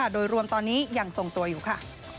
โดยรวมตอนนี้ยังทรงตัวอยู่ค่ะ